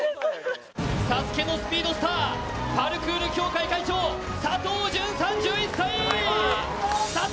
ＳＡＳＵＫＥのスピードスター、パルクール協会会長、佐藤惇。